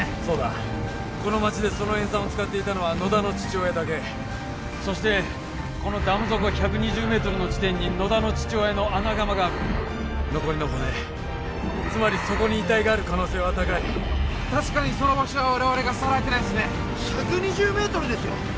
そうだこの町でその塩酸を使っていたのは野田の父親だけそしてこのダム底１２０メートルの地点に野田の父親の穴窯がある残りの骨つまりそこに遺体がある可能性は高い確かにその場所は我々がさらえてないですね１２０メートルですよ？